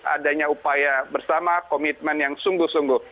adanya upaya bersama komitmen yang sungguh sungguh